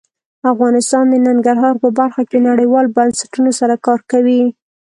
افغانستان د ننګرهار په برخه کې نړیوالو بنسټونو سره کار کوي.